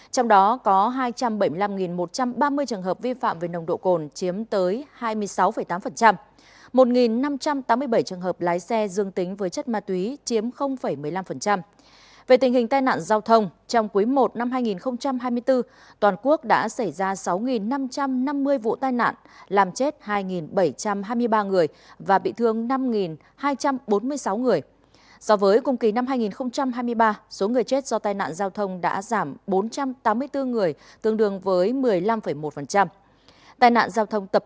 trong đó có hai trăm bảy mươi năm một trăm ba mươi trường hợp vi phạm về nồng độ cồn chiếm tới hai triệu trường hợp